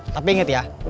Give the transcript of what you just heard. tapi inget ya